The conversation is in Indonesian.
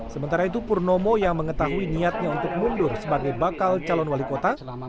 sementara itu purnomo yang mengetahui niatnya untuk mundur sebagai bakal calon wali kota